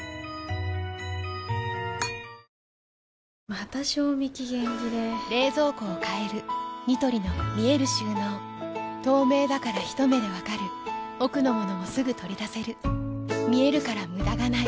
また賞味期限切れ冷蔵庫を変えるニトリの見える収納透明だからひと目で分かる奥の物もすぐ取り出せる見えるから無駄がないよし。